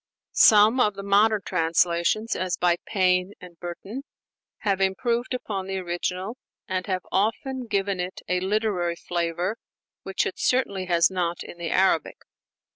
Some of the modern translations as by Payne and Burton have improved upon the original, and have often given it a literary flavor which it certainly has not in the Arabic.